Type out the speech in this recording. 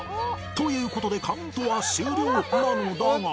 という事でカウントは終了なのだが